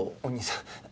お義兄さん